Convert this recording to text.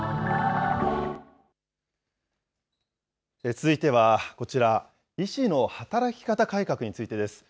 続いてはこちら、医師の働き方改革についてです。